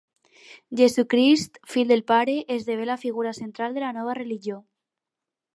Jesucrist, fill del Pare, esdevé la figura central de la nova religió.